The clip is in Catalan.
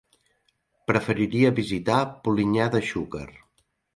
Preferiria visitar Polinyà de Xúquer.